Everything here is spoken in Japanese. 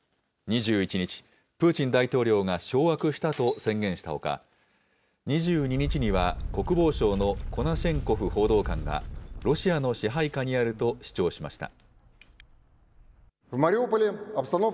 ２１日、プーチン大統領が掌握したと宣言したほか、２２日には、国防省のコナシェンコフ報道官が、ロシアの支配下にあると主張しました。